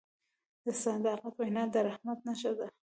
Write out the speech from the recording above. د صداقت وینا د رحمت نښه ده.